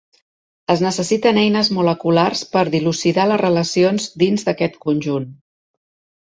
Es necessiten eines moleculars per dilucidar les relacions dins d'aquest conjunt.